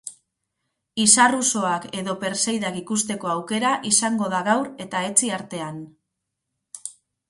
Izar usoak edo perseidak ikusteko aukera izango da gaur eta etzi artean.